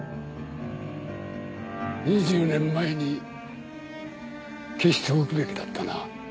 ２０年前に消しておくべきだったな。